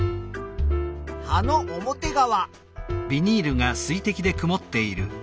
葉の表側。